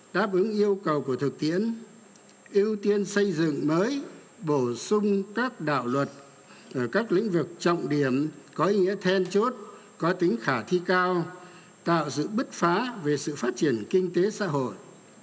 đáp ứng yêu cầu của thực tiễn ưu tiên xây dựng mới bổ sung các đạo luật ở các lĩnh vực trọng điểm có ý nghĩa then chốt có tính khả thi cao tạo sự bứt phá về sự phát triển kinh tế xã hội